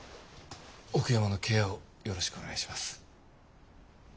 奥山のケアをよろしくお願いします。